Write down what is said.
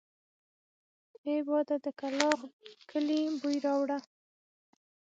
اې باده د کلاخ کلي بوی راوړه!